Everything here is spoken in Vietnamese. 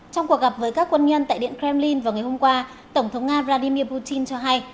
trong cuộc gặp với các quân nhân tại điện kremlin vào ngày hôm qua tổng thống nga vladimir putin cho hay